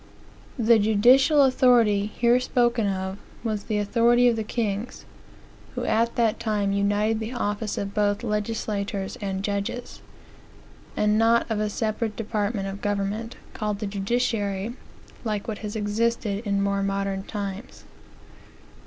The "judicial authority," here spoken of, was the authority of the kings, (who at that time united the office of both legislators and judges,), and not of a separate department of government, called the judiciary, like what has existed in more modern times.